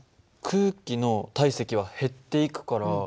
空気の体積は減っていくから。